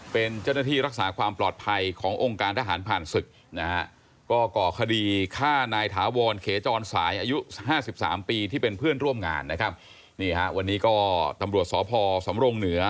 เป็นเจ้าหน้าที่รักษาความปลอดภัยขององค์การทหารผ่านศึกนะฮะ